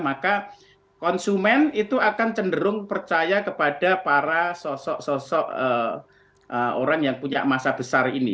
maka konsumen itu akan cenderung percaya kepada para sosok sosok orang yang punya masa besar ini